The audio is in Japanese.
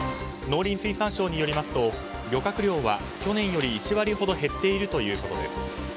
農林水産省によりますと漁獲量は去年より１割ほど減っているということです。